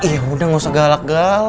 iya udah gak usah galak galak